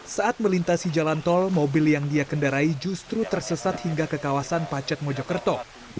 saat melintasi jalan tol mobil yang dia kendarai justru tersesat hingga ke kawasan pacet mojokerto